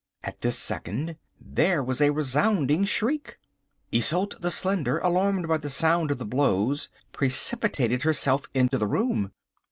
At this second there was a resounding shriek. Isolde the Slender, alarmed by the sound of the blows, precipitated herself into the room.